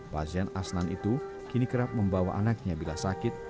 pasien asnan itu kini kerap membawa anaknya bila sakit